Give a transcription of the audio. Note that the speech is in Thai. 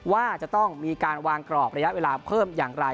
ว่าจะต้องมีการวางกรอบระยะเวลาเพิ่มอย่างไร